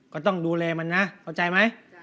ก็ต้องดูแลมันนะเข้าใจไหม